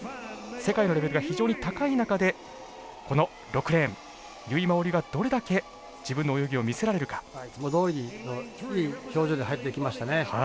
世界のレベルが非常に高い中でこの６レーン由井真緒里がどれだけ自分の泳ぎを見せられるか。いつもどおりにいい表情で入ってきましたね。